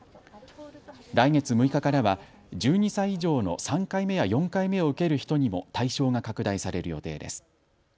来月６日からは１２歳以上の３回目や４回目を受ける人にも対象が拡大される予定です。